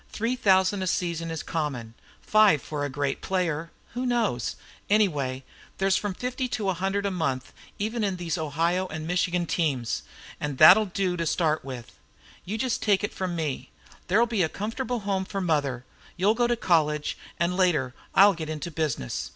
Three thousand a season is common, five for a great player. Who knows? Any way, there's from fifty to a hundred a month even in these Ohio and Michigan teams, and that'll do to start with. You just take this from me: there'll be a comfortable home for mother, you'll go to college, and later I'll get into business.